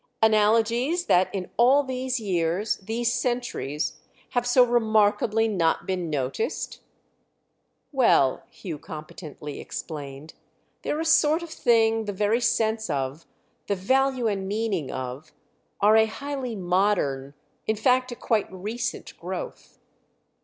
"Analogies that in all these years, these centuries, have so remarkably not been noticed?" "Well," Hugh competently explained, "they're a sort of thing the very sense of, the value and meaning of, are a highly modern—in fact a quite recent growth."